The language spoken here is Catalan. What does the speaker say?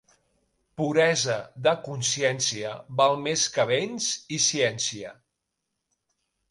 Puresa de consciència val més que béns i ciència.